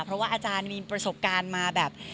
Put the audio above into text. เพราะว่าอาจารย์มีประสบการณ์มาแบบ